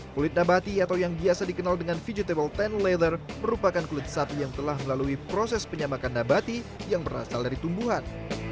kulit nabati atau yang biasa dikenal dengan vegetable sepuluh sepuluh latter merupakan kulit sapi yang telah melalui proses penyamakan nabati yang berasal dari tumbuhan